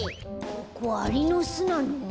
ここアリのすなの？